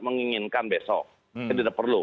menginginkan besok jadi tidak perlu